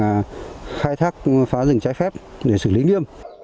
và khai thác phá rừng trái phép để xử lý nghiêm